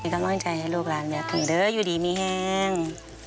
ก็มั่งใจให้ลูกหลานแบบถึงเด้ออยู่ดีมีแหง